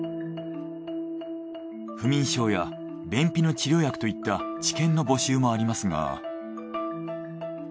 不眠症や便秘の治療薬といった治験の募集もありますが。